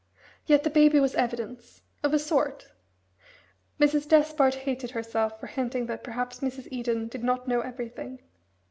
Yet the Baby was evidence of a sort. Mrs. Despard hated herself for hinting that perhaps Mrs. Eden did not know everything.